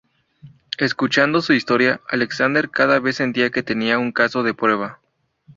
Escuchando su historia, Alexander cada vez sentía que tenía un caso de prueba.